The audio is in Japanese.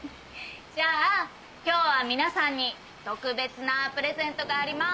じゃあ今日は皆さんに特別なプレゼントがあります。